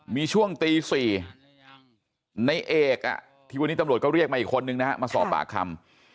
มีช่วงตี๔ในเอกที่วันนี้ตำรวจก็เรียกมาอีกคนนึงนะฮะมาสอบปากคำ